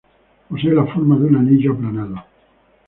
Posee la forma de un anillo aplanado.